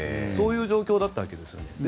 そういう状況だったわけですよね。